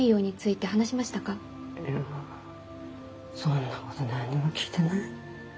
いやそんなこと何にも聞いてない。